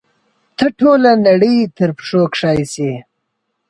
ته ټوله نړۍ تر پښو کښی شي